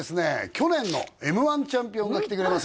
去年のＭ−１チャンピオンが来てくれます